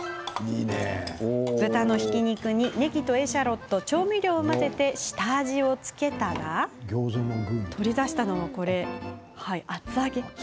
豚のひき肉にねぎとエシャロット調味料を混ぜて下味を付けたら取り出したのは厚揚げ。